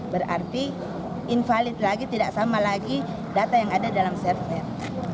berarti invalid lagi tidak sama lagi data yang ada dalam server